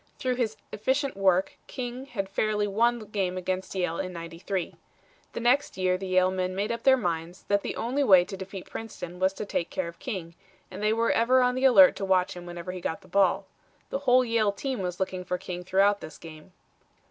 Through his efficient work, King had fairly won the game against Yale in '93. The next year the Yale men made up their minds that the only way to defeat Princeton was to take care of King, and they were ever on the alert to watch him whenever he got the ball. The whole Yale team was looking for King throughout this game.